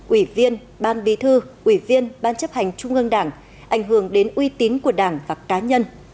ủy viên ban bí thư ủy viên ban chấp hành trung ương đảng ảnh hưởng đến uy tín của đảng và cá nhân